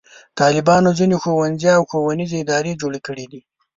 طالبانو ځینې ښوونځي او ښوونیزې ادارې جوړې کړې دي.